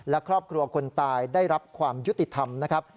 และครอบครัวคนตายได้รับความยุติธรรมนะครับ